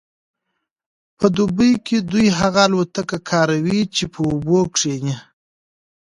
په دوبي کې دوی هغه الوتکې کاروي چې په اوبو کیښني